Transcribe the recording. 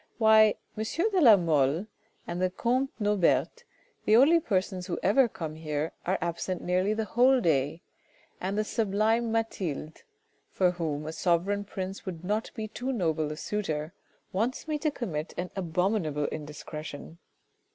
Why ! M. de la Mole and the comte Norbert, the only persons who ever come here, are absent nearly the whole day, and the sublime Mathilde for whom a sovereign prince would not be too noble a suitor, wants me to commit an abominable indiscretion.